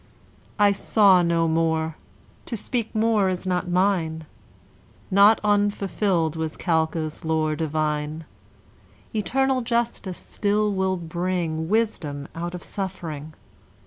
I saw no more! to speak more is not mine; Not unfulfilled was Calchas' lore divine. Eternal justice still will bring Wisdom out of suffering.